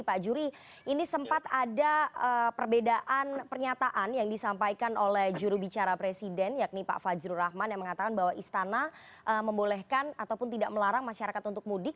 pak juri ini sempat ada perbedaan pernyataan yang disampaikan oleh jurubicara presiden yakni pak fajrul rahman yang mengatakan bahwa istana membolehkan ataupun tidak melarang masyarakat untuk mudik